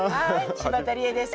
柴田理恵です。